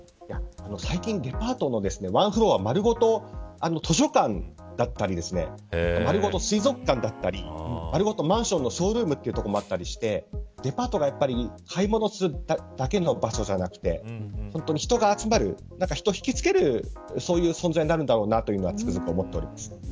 最近、デパートのワンフロア丸ごと図書館だったり丸ごと水族館だったりマンションのショールームという所もあったりデパートが買い物をするだけの場所じゃなく人を引きつける存在になるんだろうなというのはつくづく思っています。